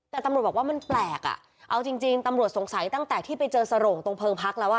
แต่ตำรวจบอกว่ามันแปลกอ่ะเอาจริงตำรวจสงสัยตั้งแต่ที่ไปเจอสโรงตรงเพลิงพักแล้วอ่ะ